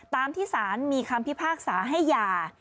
ตามที่สารมีคำพิพากษาให้ยา